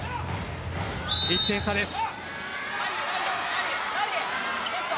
１点差です。